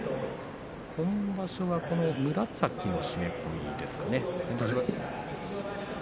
今場所は紫の締め込みですかね。